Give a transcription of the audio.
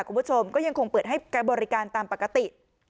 คุณผู้ชมก็ยังคงเปิดให้การบริการตามปกติ